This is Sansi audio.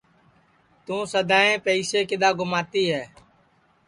توں سدائیں پئسے کِدؔا گُماتی ہے